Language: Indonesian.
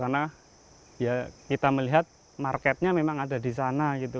karena ya kita melihat marketnya memang ada di sana gitu